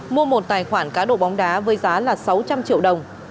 mua một tài khoản cá độ bóng đá với giá là sáu trăm linh triệu đồng